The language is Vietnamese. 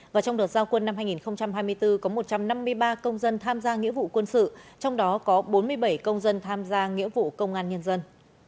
và trong đợt giao quân năm hai nghìn hai mươi bốn có một trăm năm mươi ba công dân tham gia nghĩa vụ quân sự trong đó có bốn mươi bảy công dân tham gia nghĩa vụ công an nhân dân